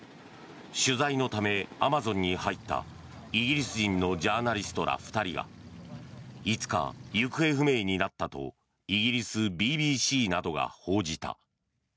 取材のためアマゾンに入ったイギリス人のジャーナリストら２人が５日、行方不明になったとイギリスＢＢＣなどが報じた。